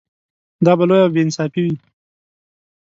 دا به لویه بې انصافي وي.